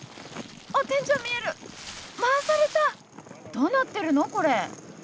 どうなってるのこれ？